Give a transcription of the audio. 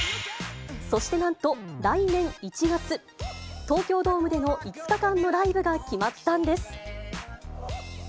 そしてなんと来年１月、東京ドームでの５日間のライブが決まったんです。